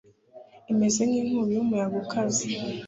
imeze nk'inkubi y'umuyaga ukaze,